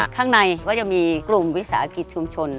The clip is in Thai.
ข้างในก็จะมีกลุ่มวิสาหกิจชุมชน